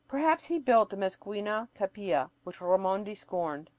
Perhaps he built the "mezquina capilla" which Raimondi scorned.